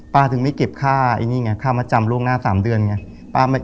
ถึงไม่เก็บค่าไอ้นี่ไงค่ามาจำล่วงหน้า๓เดือนไง